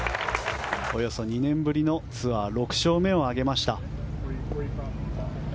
およそ２年ぶりのツアー６勝目を挙げました。